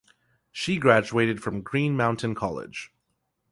She graduated from Green Mountain College.